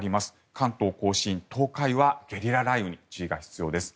関東・甲信、東海はゲリラ雷雨に注意が必要です。